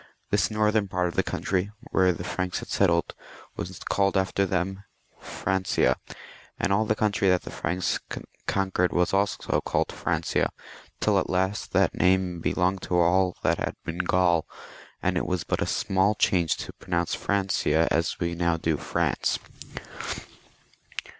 This northern part of the country, where the Franks had settled, was called after them, Francia, and all the country that the Franks con quered was also called Francia, till at last that name belonged to all that had been Gaul, and it was but a small change to pronounce Francia as we now do France.